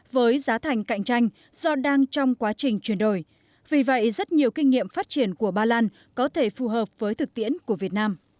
với giá thành cạnh tranh do đang trong quá trình chuyển đổi vì vậy rất nhiều kinh nghiệm phát triển của ba lan có thể phù hợp với thực tiễn của việt nam